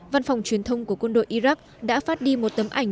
văn phòng truyền thông của quân đội iraq đã phát đi một tấm ảnh